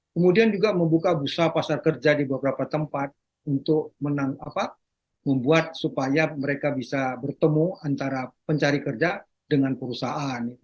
kemudian juga membuka busa pasar kerja di beberapa tempat untuk membuat supaya mereka bisa bertemu antara pencari kerja dengan perusahaan